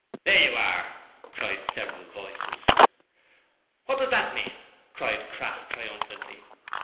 'There you are!' cried several voices. 'What does that mean?' cried Crass, triumphantly.